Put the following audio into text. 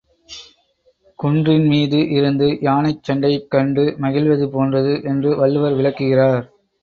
குன்றின்மீது இருந்து யானைச் சண்டையைக் கண்டு மகிழ்வது போன்றது என்று வள்ளுவர் விளக்குகிறார்.